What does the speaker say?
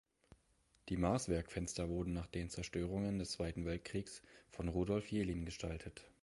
Die Maßwerkfenster wurden nach den Zerstörungen des Zweiten Weltkriegs von Rudolf Yelin gestaltet.